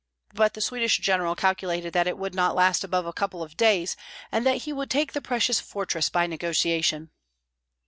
But the Swedish general calculated that it would not last above a couple of days, and that he would take the precious fortress by negotiation.